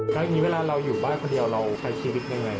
ครั้งนี้เวลาเราอยู่บ้านคนเดียวเราใช้ชีวิตยังไง